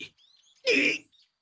えっ！